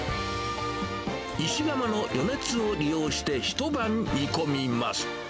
石窯の余熱を利用して、ひと晩煮込みます。